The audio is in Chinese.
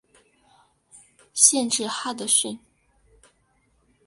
县治哈得逊。